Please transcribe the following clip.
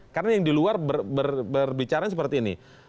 karena yang di luar berbicara seperti ini